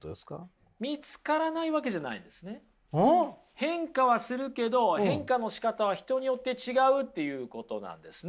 変化はするけど変化のしかたは人によって違うっていうことなんですね。